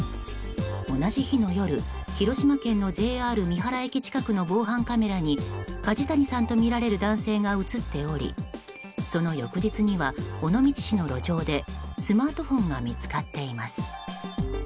同じ日の夜、広島県のＪＲ三原駅近くの防犯カメラに梶谷さんとみられる男性が映っておりその翌日には、尾道市の路上でスマートフォンが見つかっています。